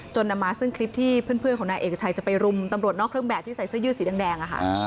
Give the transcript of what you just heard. นำมาซึ่งคลิปที่เพื่อนของนายเอกชัยจะไปรุมตำรวจนอกเครื่องแบบที่ใส่เสื้อยืดสีแดง